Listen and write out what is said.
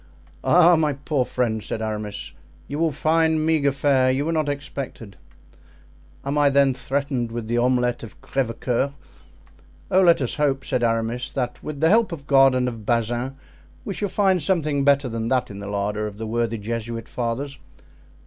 "Ah, my poor friend!" said Aramis, "you will find meagre fare; you were not expected." "Am I then threatened with the omelet of Crevecoeur?" "Oh, let us hope," said Aramis, "that with the help of God and of Bazin we shall find something better than that in the larder of the worthy Jesuit fathers.